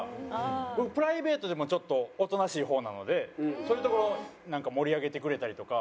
プライベートでもちょっとおとなしい方なのでそういうところなんか盛り上げてくれたりとか。